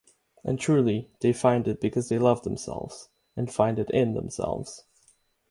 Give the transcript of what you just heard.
And truly they find it because they love themselves and find it in themselves.